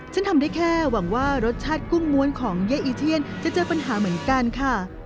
ฉันทำได้แค่หวังว่ารสชาติกุ้งม้วนของเย้อีเทียนจะเจอปัญหาเหมือนกันค่ะ